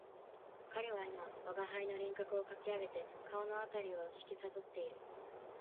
彼は今吾輩の輪廓をかき上げて顔のあたりを色彩っている